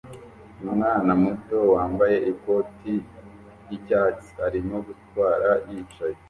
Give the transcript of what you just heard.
Umwana muto wambaye ikoti ryicyatsi arimo gutwara yicaye